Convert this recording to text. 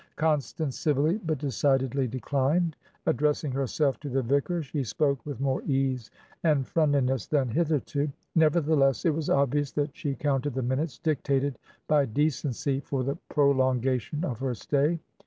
Constance civilly but decidedly declined. Addressing herself to the vicar, she spoke with more ease and friendliness than hitherto; nevertheless, it was obvious that she counted the minutes dictated by decency for the prolongation of her stay.